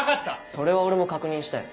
それは俺も確認したよ。